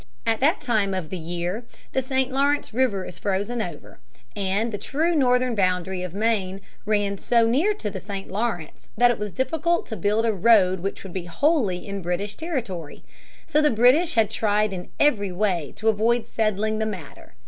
At that time of the year the St. Lawrence is frozen over, and the true northern boundary of Maine ran so near to the St. Lawrence that it was difficult to build a road which would be wholly in British territory. So the British had tried in every way to avoid settling the matter.